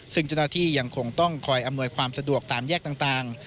ซึ่งเจ้าหน้าที่ยังคงต้องคอยอำนวยความสะดวกตามแยกต่าง